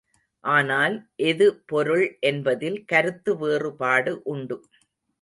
ஆனால் எது பொருள் என்பதில் கருத்து வேறுபாடு உண்டு.